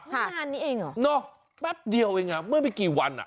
วันที่๕นี้เองหรอเนาะแป๊บเดียวเองไม่มีกี่วัน